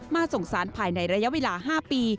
ส่งสารภายในระยะเวลา๕ปี